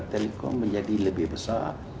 telekom menjadi lebih besar